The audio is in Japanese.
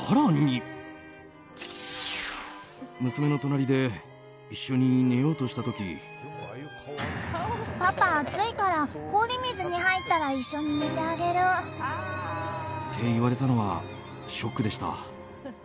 娘の隣で一緒に寝ようとした時パパ熱いから氷水に入ったら一緒に寝てあげる。って言われたのはショックでした。